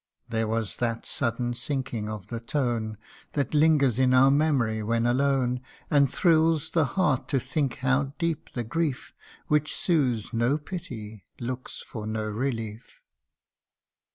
There was that sudden sinking of the tone That lingers in our memory when alone, And thrills the heart to think how deep the grief Which sues no pity looks for no relief.